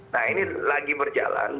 nah ini lagi berjalan